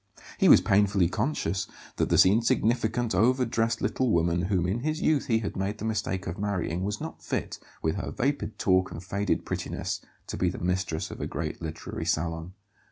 He was painfully conscious that the insignificant, overdressed little woman whom in his youth he had made the mistake of marrying was not fit, with her vapid talk and faded prettiness, to be the mistress of a great literary salon.